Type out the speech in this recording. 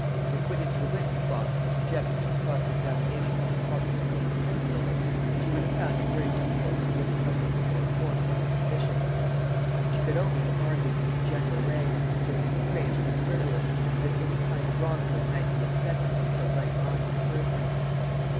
If put into the witness box and subjected to the cross examination of a popular queen's counsel, she would have found it very difficult to give a substance or a form to her suspicions. She could only have argued in a general way, that Mrs. Granger was frivolous, and that any kind of wrong doing might be expected from so light minded a person.